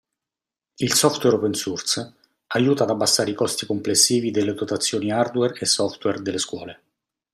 Il software open source aiuta ad abbassare i costi complessivi delle dotazioni hardware e software delle scuole.